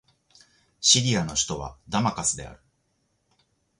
シリアの首都はダマスカスである